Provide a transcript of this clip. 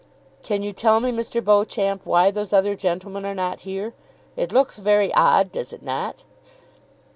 "Can you tell me, Mr. Beauclerk, why those other gentlemen are not here? It looks very odd; does it not?"